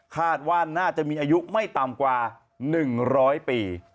คาดว่าน่าจะมีอายุไม่ต่ำกว่า๑๐๐ปี